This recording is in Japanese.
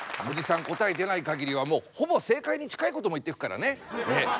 おじさん答え出ないかぎりはほぼ正解に近いことも言ってくからね。